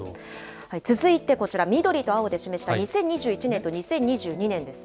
続いてこちら、緑と青で示した２０２１年と２０２２年です。